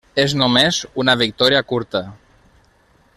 És només una victòria curta.